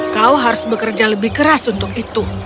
kau harus bekerja lebih keras untuk itu